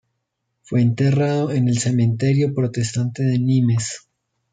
Fue enterrado en el Cementerio Protestante de Nimes.